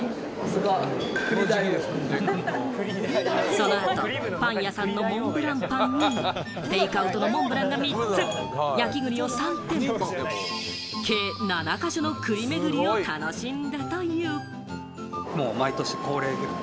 その後、パン屋さんのモンブランパンにテイクアウトのモンブランが３つ、焼き栗を３店舗、計７か所の栗巡りを楽しんだという。